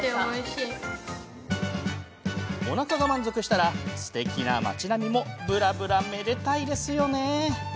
おなかが満足したらすてきな町並みも、ぶらぶらめでたいですよね。